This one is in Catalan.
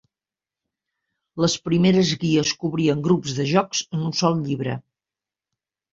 Les primeres guies cobrien grups de jocs en un sol llibre.